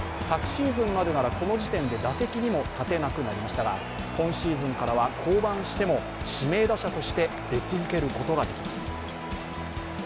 昨シーズンまでならこの時点で打席にも立てなくなりましたが今シーズンからは降板しても指名打者として出続けることができます。